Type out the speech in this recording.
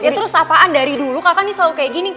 ya terus apaan dari dulu kakak ini selalu kayak gini